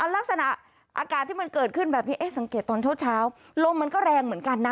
ลักษณะอากาศที่มันเกิดขึ้นแบบนี้สังเกตตอนเช้าลมมันก็แรงเหมือนกันนะ